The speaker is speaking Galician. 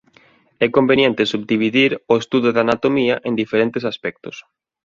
É conveniente subdividir o estudo da anatomía en diferentes aspectos.